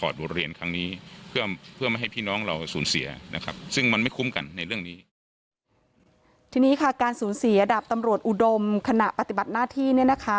ทีนี้ค่ะการสูญเสียดาบตำรวจอุดมขณะปฏิบัติหน้าที่เนี่ยนะคะ